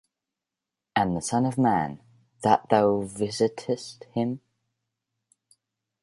And the son of man, that thou visitest him?